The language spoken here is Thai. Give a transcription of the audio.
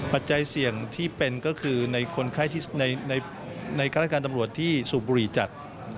ปัจจัยเสี่ยงที่เป็นก็คือในการการตำรวจที่สูบบุหรี่จัด